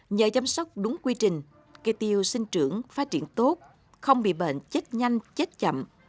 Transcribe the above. nhờ chăm sóc đúng quy trình cây tiêu sinh trưởng phát triển tốt không bị bệnh chết nhanh chết chậm